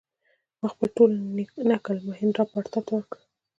ما خپل ټول نکل مهیندراپراتاپ ته وکړ.